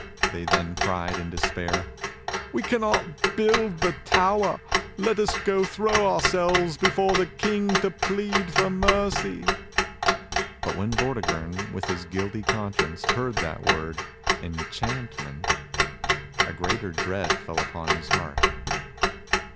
they then cried in despair. "We cannot build the tower. Let us go and throw ourselves before the King to plead for mercy !" But when Vcrtigern, with his guilty conscience, heard that word enchantment," a greater dread fell upon his heart.